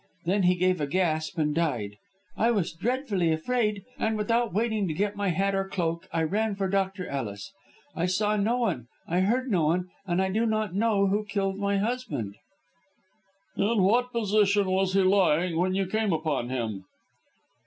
Then he gave a gasp and died. I was dreadfully afraid, and without waiting to get my hat or cloak, I ran for Dr. Ellis. I saw no one; I heard no one; and I do not know who killed my husband." "In what position was he lying when you came upon him?"